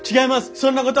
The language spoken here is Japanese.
そんなことは。